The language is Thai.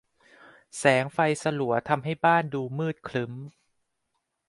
แสงไฟสลัวทำให้บ้านดูมืดครึ้ม